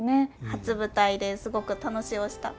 初舞台ですごく楽しおした。